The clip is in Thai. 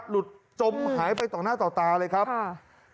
หลุดจมหายไปต่อหน้าต่อตาเลยครับค่ะ